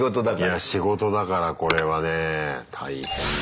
いや仕事だからこれはねえ大変だ。